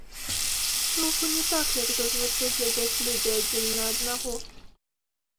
Троху не так, як зазвычай глядзяць людзі адзін на аднаго.